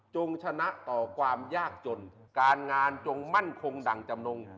ชนะต่อความยากจนการงานจงมั่นคงดั่งจำนง